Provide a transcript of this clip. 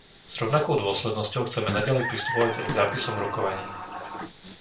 S rovnakou dôslednosťou chceme naďalej pristupovať aj k zápisom rokovaní.